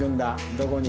どこに？